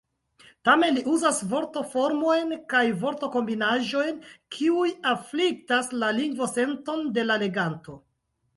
Tamen li uzas vortoformojn kaj vortokombinaĵojn, kiuj afliktas la lingvosenton de la leganto.